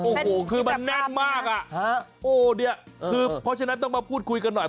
โอ้โหคือมันแน่นมากอ่ะฮะโอ้เนี่ยคือเพราะฉะนั้นต้องมาพูดคุยกันหน่อย